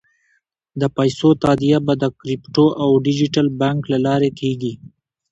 د پیسو تادیه به د کریپټو او ډیجیټل بانک له لارې کېږي.